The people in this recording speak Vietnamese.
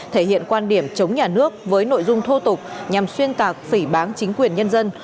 thể hiện quan điểm chống nhà nước với nội dung thô tục nhằm xuyên tạc phỉ bán chính quyền nhân dân